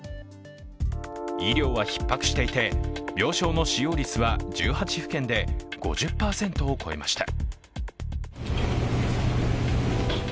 医療はひっ迫していて、病床の使用率は１８府県で５０％を超えました。